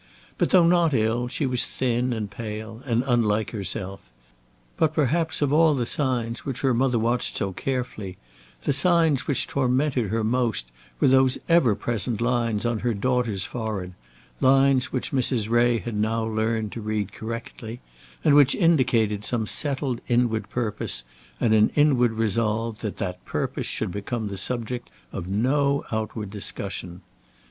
But though not ill, she was thin and pale, and unlike herself. But perhaps of all the signs which her mother watched so carefully, the signs which tormented her most were those ever present lines on her daughter's forehead, lines which Mrs. Ray had now learned to read correctly, and which indicated some settled inward purpose, and an inward resolve that that purpose should become the subject of no outward discussion.